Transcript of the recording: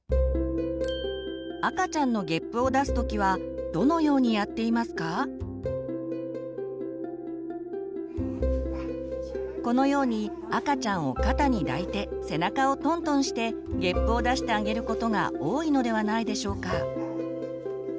赤ちゃんのこのように赤ちゃんを肩に抱いて背中をトントンしてげっぷを出してあげることが多いのではないでしょうか？